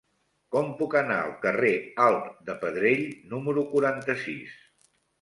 Com puc anar al carrer Alt de Pedrell número quaranta-sis?